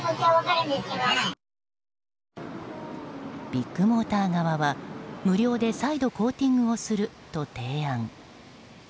ビッグモーター側は、無料で再度コーティングをすると提案。